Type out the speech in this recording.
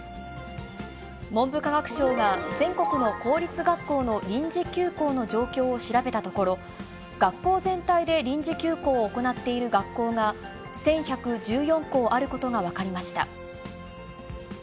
文部科学省が全国の公立学校の臨時休校の状況を調べたところ、学校全体で臨時休校を行っている学校が１１１４校あることが分かりました。